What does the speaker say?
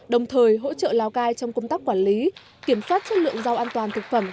đồng thời hỗ trợ lào cai trong công tác quản lý kiểm soát chất lượng rau an toàn thực phẩm